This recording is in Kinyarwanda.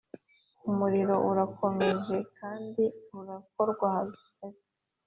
Umurimo urakomejekandi urakorwa hagari